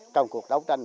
trong cuộc đấu tranh